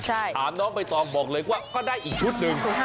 ถามน้องใบตองบอกเลยว่าก็ได้อีกชุดหนึ่ง